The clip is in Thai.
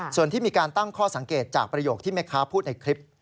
ส่วนที่มีการตั้งข้อสังเกตจากประโยคที่แม่ค้าพูดในคลิป